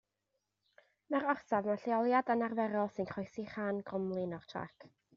Mae'r orsaf mewn lleoliad anarferol sy'n croesi rhan gromlin o'r trac.